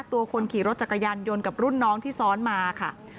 ตัวคนขี่รถจักรยานยนต์กับรุ่นน้องที่ซ้อนมาค่ะ